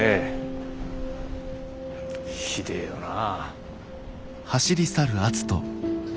ひでえよなあ。